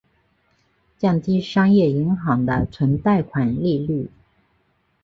降低商业银行的存贷款利率。